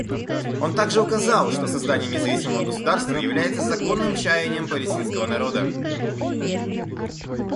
Он также указал, что создание независимого государства является законным чаянием палестинского народа.